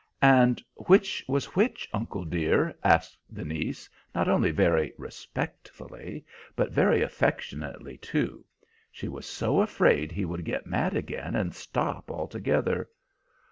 "And which was which, uncle dear?" asked the niece, not only very respectfully, but very affectionately, too; she was so afraid he would get mad again, and stop altogether.